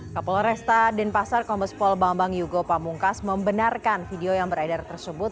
kapolresta denpasar kombespol bambang yugo pamungkas membenarkan video yang beredar tersebut